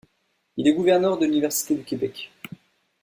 Il est gouverneur de l'Université du Québec.